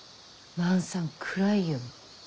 万さん暗いよ。